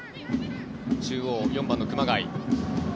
中央、４番の熊谷。